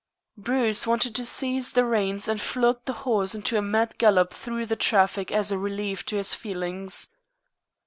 Bruce wanted to seize the reins and flog the horse into a mad gallop through the traffic as a relief to his feelings.